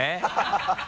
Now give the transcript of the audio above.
ハハハ